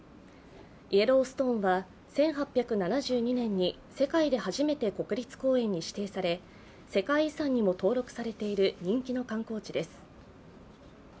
イエローストーンは１８７２年に世界で初めて国立公園に指定され世界遺産にも登録されている人気の観光地です。